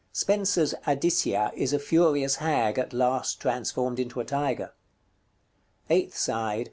Spenser's "Adicia" is a furious hag, at last transformed into a tiger. _Eighth side.